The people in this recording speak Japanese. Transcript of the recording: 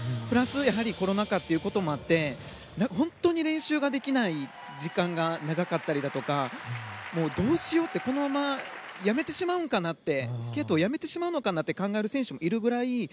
プラスコロナ禍ということもあって本当に練習ができない時間が長かったりだとかどうしようってこのままスケートを辞めてしまうかなって考える選手もいるぐらい